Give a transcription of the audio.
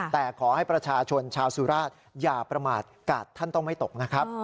แต่ขอให้ประชาชนชาวสุราชอย่าประมาทกาดท่านต้องไม่ตกนะครับ